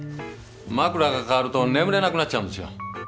枕が替わると眠れなくなっちゃうんですよ。